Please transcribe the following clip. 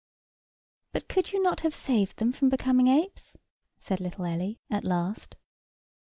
"But could you not have saved them from becoming apes?" said little Ellie, at last.